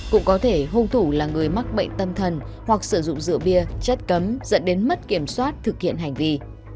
cũng có thể hung thủ là người mắc bệnh tâm thần hoặc sử dụng rượu bia chất cấm dẫn đến mất kiểm soát thực hiện hành vi